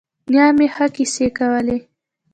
نیا مې ښه کیسې کولې.